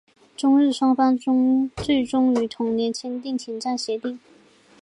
中日双方最终于同年签订停战协定。